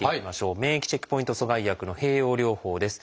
免疫チェックポイント阻害薬の併用療法です。